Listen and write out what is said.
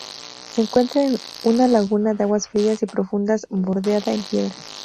Se encuentra una laguna de aguas frías y profundas bordeada en piedra.